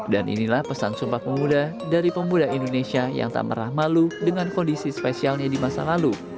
dan inilah pesan sumbah pemuda dari pemuda indonesia yang tak pernah malu dengan kondisi spesialnya di masa lalu